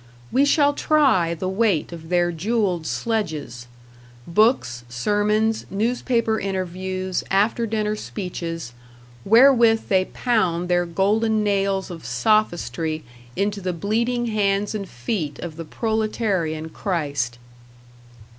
We shall try the weight of their jewelled sledges books, sermons, newspaper interviews, after dinner speeches wherewith they pound their golden nails of sophistry into the bleeding hands and feet of the proletarian Christ.